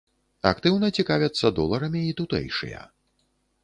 Актыўна цікавяцца доларамі і тутэйшыя.